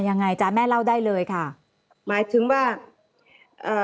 ยังไงจ๊ะแม่เล่าได้เลยค่ะหมายถึงว่าเอ่อ